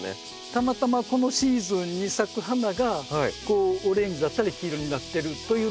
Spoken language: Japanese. たまたまこのシーズンに咲く花がオレンジだったり黄色になってるというだけなんです。